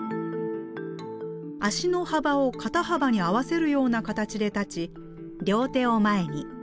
足の幅を肩幅に合わせるような形で立ち両手を前に。